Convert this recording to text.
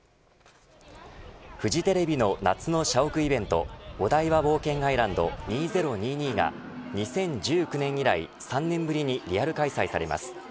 フジテレビの夏の社屋イベントオダイバ冒険アイランド２０２２が２０１９年以来３年ぶりにリアル開催されます。